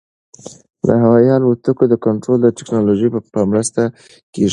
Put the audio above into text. د هوايي الوتکو کنټرول د ټکنالوژۍ په مرسته کېږي.